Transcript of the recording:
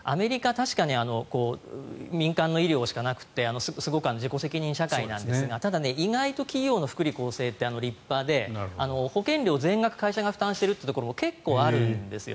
確か、民間の医療しかなくてすごく自己責任社会なんですがただ、意外と企業の福利厚生って立派で保険料、全額会社が負担しているところも結構あるんですよ。